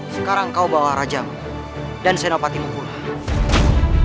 sekarang kau bawa rajamu dan senopatimu pula